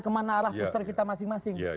kemana arah booster kita masing masing